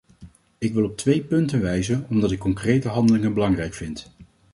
Ik wil op twee punten wijzen omdat ik concrete handelingen belangrijk vind.